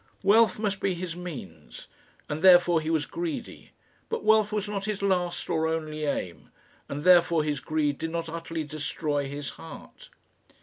Wealth must be his means, and therefore he was greedy; but wealth was not his last or only aim, and therefore his greed did not utterly destroy his heart.